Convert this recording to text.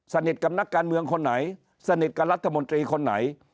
สนิทกับนักการเมืองคนไหนสนิทกับรัฐมนตรีคนไหน